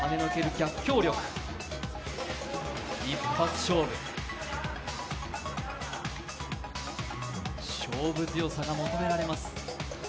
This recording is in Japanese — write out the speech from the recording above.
逆境力、一発勝負、勝負強さが求められます。